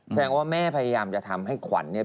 แสดงว่าแม่พยายามจะทำให้ขวัญเนี่ย